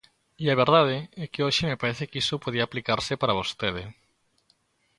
E a verdade é que hoxe me parece que iso podía aplicarse para vostede.